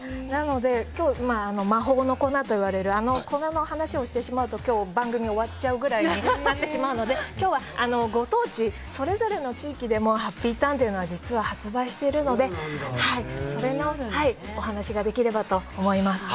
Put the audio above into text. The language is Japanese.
魔法の粉といわれる粉の話をしてしまうと番組が終わっちゃうくらいになってしまうので今日はご当地それぞれの地域でもハッピーターンというのは実は発売しているのでそれのお話ができればと思います。